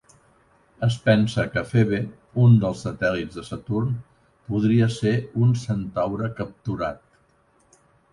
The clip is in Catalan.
Es pensa que Febe, un dels satèl·lits de Saturn, podria ser un centaure capturat.